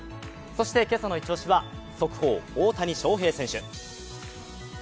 そして今朝のイチ押しは、速報大谷翔平選手。